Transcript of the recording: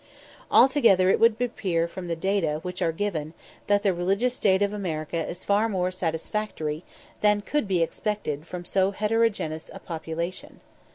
Altogether it would appear from the data which are given that the religious state of America is far more satisfactory than could be expected from so heterogeneous a population.